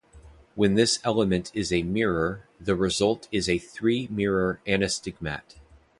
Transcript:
When this element is a mirror, the result is a three-mirror anastigmat.